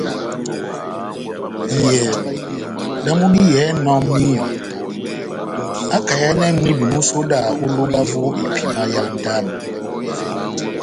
Iyɛhɛ damu diyɛhɛnɔ míyɔ akayɛnɛ mwibi músodaha ó lóba vó epima yá ndabo.